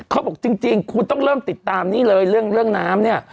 เขาบอกจริงคุณต้องเริ่มติดตามนี่เลยเรื่องน้ำเนี่ย